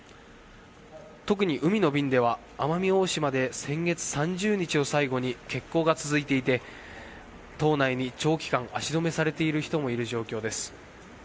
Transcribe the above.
特に海の便では、奄美大島で先月３０日を最後に欠航が続いていて、島内に長期間足止めされている人もいる状況です。